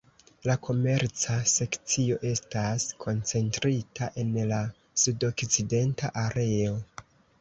La komerca sekcio estas koncentrita en la sudokcidenta areo.